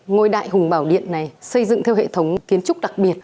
ngôi đại hùng bảo điện này xây dựng theo hệ thống kiến trúc đặc biệt